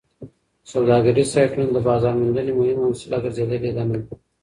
سوداګریز سایټونه د بازارموندنې مهمه وسیله ګرځېدلې ده نن.